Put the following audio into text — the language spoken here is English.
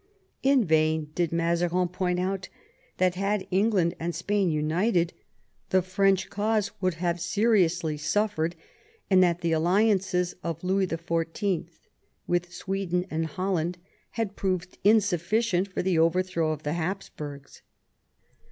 In vain did Mazarin point out that had England and Spain united, the French cause would have seriously suffered, and that the alliances of Louis XrV. with Sweden and Holland had proved insufficient for the overthrow of the Hapsburgs.